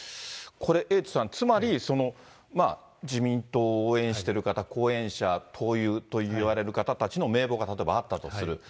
これ、エイトさん、つまり自民党を応援してる方、後援者、党友といわれる方たちの名簿が例えばあったとする。